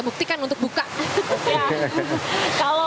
buktikan untuk buka kalau